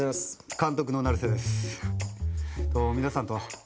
監督の成瀬です。